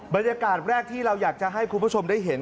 บรรยากาศแรกที่เราอยากจะให้คุณผู้ชมได้เห็น